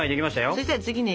そしたら次ね